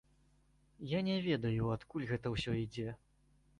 Я не ведаю, адкуль гэта ўсё ідзе.